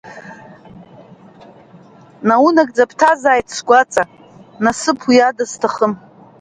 Наунагӡа бҭазааит сгәаҵа, насыԥ уи ада сҭахым…